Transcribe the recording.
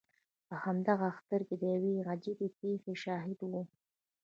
په همدغه اختر کې د یوې عجیبې پېښې شاهد وم.